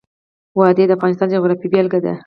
وادي د افغانستان د جغرافیې بېلګه ده.